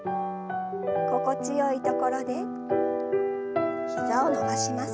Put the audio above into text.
心地よいところで膝を伸ばします。